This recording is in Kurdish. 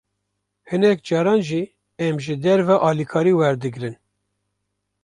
Hinek caran jî, em ji derve alîkarî werdigrin